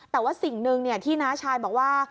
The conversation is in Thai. แต่ว่าสิ่งหนึ่งที่น้าชายบอกว่า